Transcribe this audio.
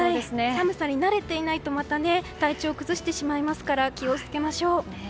寒さに慣れていないとまた体調を崩してしまいますから気を付けましょう。